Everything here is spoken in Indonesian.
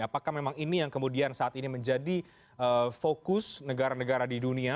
apakah memang ini yang kemudian saat ini menjadi fokus negara negara di dunia